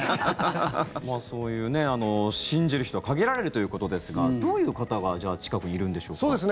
そういう信じる人は限られるということですがどういう方がじゃあ近くにいるんでしょうか。